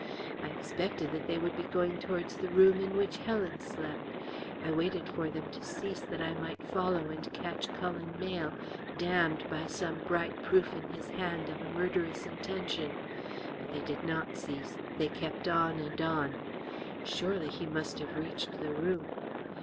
I expected that they would be going towards the room in which Helen slept. I waited for them to cease that I might follow and catch Cullen Mayle, damned by some bright proof in his hand of a murderous intention. But they did not cease; they kept on and on. Surely he must have reached the room.